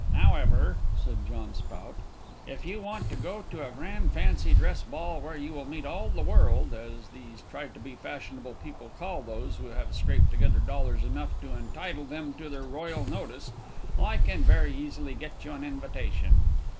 "However," said John Spout, "if you want to go to a grand fancy dress ball, where you will meet all 'the world,' as these try to be fashionable people call those who have scraped together dollars enough to entitle them to their royal notice, I can very easily get you an invitation.